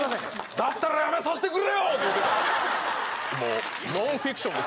「だったらやめさせてくれよ！」って言ってたよ